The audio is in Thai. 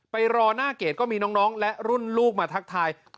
ไปรอหน้าเกรดก็มีน้องและรุ่นลูกมาทักทาย